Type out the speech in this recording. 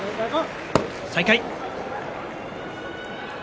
再開。